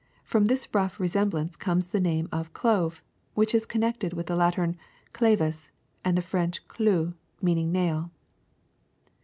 From this rough re semblance comes the name of clove (which is con nected with the Latin clavus and the French clou, meaning a nail).